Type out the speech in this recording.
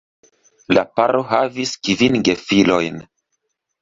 La paro havis kvin gefilojn.